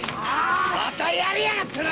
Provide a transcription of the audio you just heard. またやりやがったな